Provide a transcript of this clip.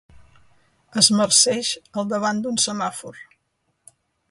Es marceix al davant d'un semàfor.